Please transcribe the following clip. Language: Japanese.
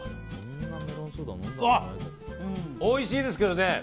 おいしいですどね